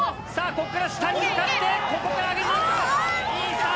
こっから下に向かってここから上げていくか？